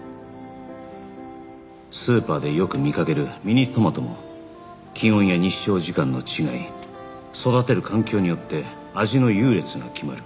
スーパーでよく見かけるミニトマトも気温や日照時間の違い育てる環境によって味の優劣が決まる